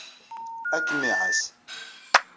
Ad kem-iɛass.